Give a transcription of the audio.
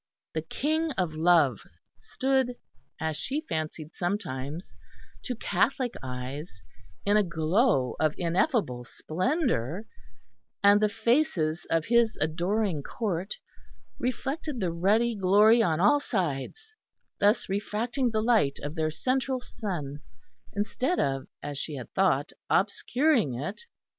The King of Love stood, as she fancied sometimes, to Catholic eyes, in a glow of ineffable splendour; and the faces of His adoring Court reflected the ruddy glory on all sides; thus refracting the light of their central Sun, instead of, as she had thought, obscuring it.